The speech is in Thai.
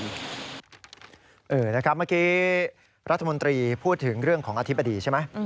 เมื่อกี้รัฐมนตรีพูดถึงเรื่องของอธิบดีใช่ไหม